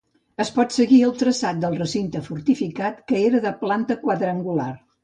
Es pot seguir el traçat del recinte fortificat, que era de planta quadrangular.